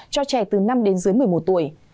cho trẻ từ năm đến dưới một mươi một tuổi